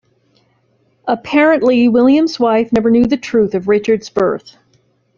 Apparently, William's wife never knew the truth of Richard's birth.